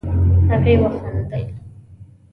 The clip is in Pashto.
هغې وخندل.